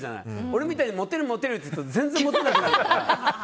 俺みたいにモテるモテるって言ってると全然モテなくなるから。